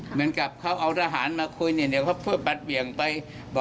เหมือนกับเขาเอาทหารมาคุยเดี๋ยวเขาพรึ้กปัดเบียงไป